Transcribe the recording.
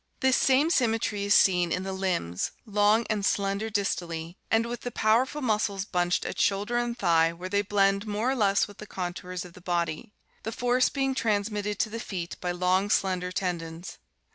This same symmetry is seen in the limbs, long and slender distally, and with the powerful muscles bunched at shoulder 604 HORSES 605 and thigh where they blend more or less with the contour of the body, the force being transmitted to the feet by long slender ten dons.